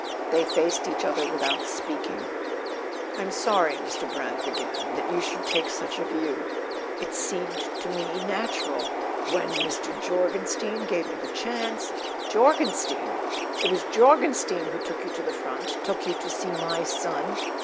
They faced each other without speaking. "I'm sorry," Mr. Brant began, "that you should take such a view. It seemed to me natural..., when Mr. Jorgenstein gave me the chance "" Jorgenstein! It was Jorgenstein who took you to the front? Took you to see my son?"